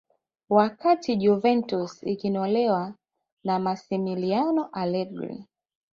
wakati juventus ikinolewa na masimiliano alegri